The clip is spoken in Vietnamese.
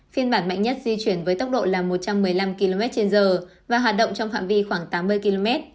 phiên bản mạnh nhất di chuyển với tốc độ là một trăm một mươi năm km trên giờ và hoạt động trong phạm vi khoảng tám mươi km